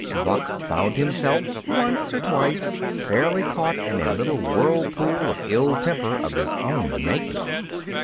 Buck found himself, once or twice, fairly caught in a little whirlpool of ill temper of his own making.